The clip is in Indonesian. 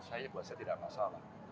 saya buat saya tidak masalah